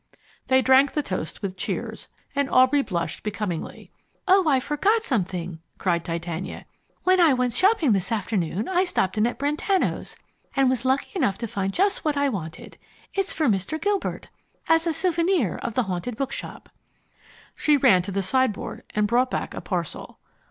They drank the toast with cheers, and Aubrey blushed becomingly. "Oh, I forgot something!" cried Titania. "When I went shopping this afternoon I stopped in at Brentano's, and was lucky enough to find just what I wanted. It's for Mr. Gilbert, as a souvenir of the Haunted Bookshop." She ran to the sideboard and brought back a parcel.